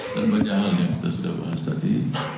dan banyak hal yang kita sudah bahas tadi